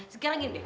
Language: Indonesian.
sekarang gini deh